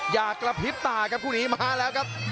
อยากกระพริบต่อกับครูนี้มาแล้วครับ